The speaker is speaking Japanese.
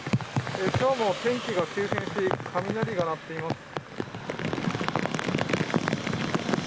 今日も天気が急変し雷が鳴っています。